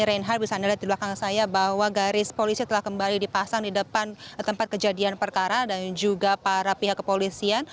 reinhard bisa anda lihat di belakang saya bahwa garis polisi telah kembali dipasang di depan tempat kejadian perkara dan juga para pihak kepolisian